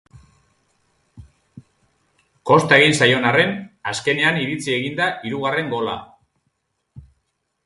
Kosta egin zaion arren, azkenean iritsi egin da hirugarren gola.